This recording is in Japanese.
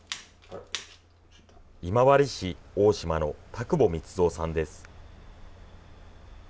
今治市大島の田窪満蔵さんです。